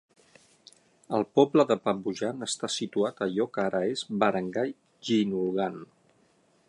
El poble de Pambujan està situat a allò que ara és Barangay Ginulgan.